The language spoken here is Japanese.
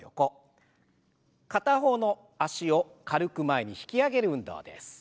片方の脚を軽く前に引き上げる運動です。